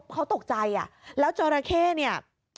เขาตกใจแล้วจราเข้เนี่ย